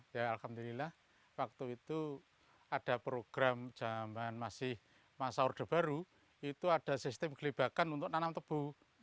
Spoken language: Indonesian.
ya alhamdulillah waktu itu ada program jaman masih masa order baru itu ada sistem gelibakan untuk tanam tebu